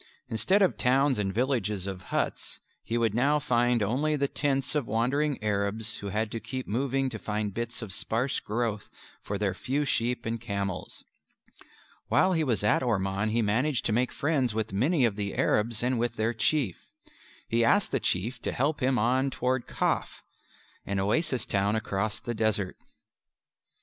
Instead of towns and villages of huts, he would now find only the tents of wandering Arabs who had to keep moving to find bits of sparse growth for their few sheep and camels. While he was at Orman he managed to make friends with many of the Arabs and with their Chief. He asked the Chief to help him on toward Kaf an oasis town across the desert.